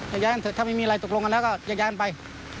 ย้ายกันเถอะถ้าไม่มีอะไรตกลงกันแล้วก็แยกย้ายกันไป